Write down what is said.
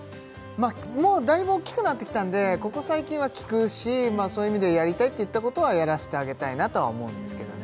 もうだいぶ大きくなってきたんでここ最近は聞くしそういう意味でやりたいって言ったことはやらせてあげたいなとは思うんですけどね